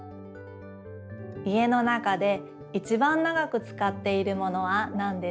家の中でいちばん長くつかっているものはなんですか？